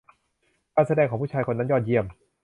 การแสดงของผู้ชายคนนั้นยอดเยี่ยม